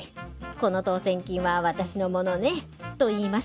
この当せん金は私のものね」と言います。